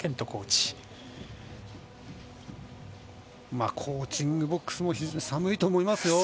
コーチングボックスも寒いと思います。